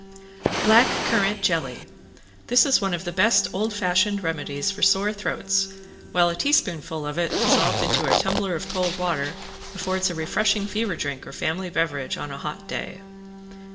~BLACK CURRANT JELLY~ This is one of the best old fashioned remedies for sore throats, while a teaspoonful of it dissolved into a tumbler of cold water affords a refreshing fever drink or family beverage on a hot day.